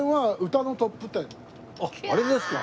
あっあれですか。